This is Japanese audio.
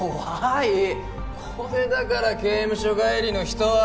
これだから刑務所帰りの人は。